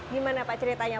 gimana pak ceritanya